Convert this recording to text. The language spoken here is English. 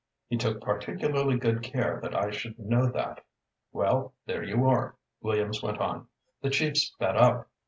"He took particularly good care that I should know that." "Well, there you are," Williams went on. "The Chief's fed up.